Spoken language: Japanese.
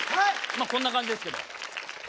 まっこんな感じですけど。